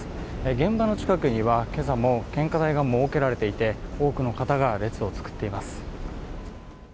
現場の近くには今朝も献花台が設けらていて、多くの方が列を作っています。